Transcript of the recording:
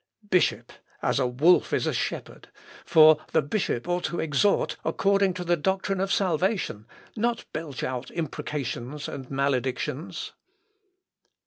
_ "Bishop ... as a wolf is a shepherd; for the bishop ought to exhort according to the doctrine of salvation, not belch out imprecations and maledictions."